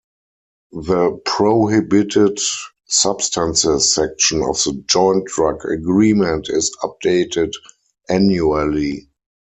The prohibited substances section of the Joint Drug Agreement is updated annually.